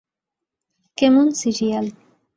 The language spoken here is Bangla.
- কেমন সিরিয়াল।